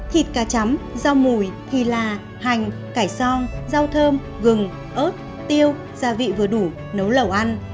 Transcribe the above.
thịt cá chấm rau mùi thì là hành cải song rau thơm gừng ớt tiêu gia vị vừa đủ nấu lẩu ăn